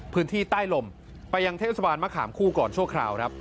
พื้นที่ใต้ลมไปยังเทศบาลมะขามคู่ก่อนชั่วคราวครับ